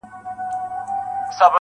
يې په ملا باندې درانه لفظونه نه ايږدمه~